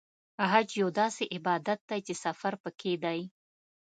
حج یو داسې عبادت دی چې سفر پکې دی.